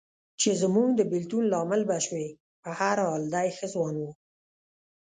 چې زموږ د بېلتون لامل به شوې، په هر حال دی ښه ځوان و.